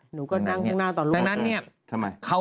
หนูก็นั่งข้างหน้าต่อลูก